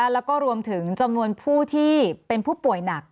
แล้วก็รวมถึงจำนวนผู้ที่เป็นผู้ป่วยหนัก